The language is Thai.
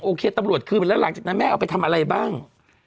ตำรวจคืนไปแล้วหลังจากนั้นแม่เอาไปทำอะไรบ้าง